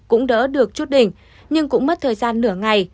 cũng đỡ được chút đỉnh nhưng cũng mất thời gian nửa ngày